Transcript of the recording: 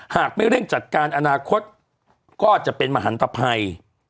หากไม่เร่งจัดการอนาคตก็จะเป็นมหันตภัย